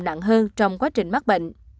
nặng hơn trong quá trình mắc bệnh